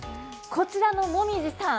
こちらのもみじさん